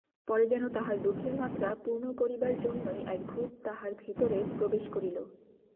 পরে যেন তাহার দুঃখের মাত্রা পূর্ণ করিবার জন্যই এক ভূত তাহার ভিতরে প্রবেশ করিল।